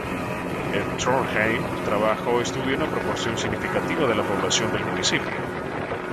En Trondheim trabaja o estudia una proporción significativa de la población del municipio.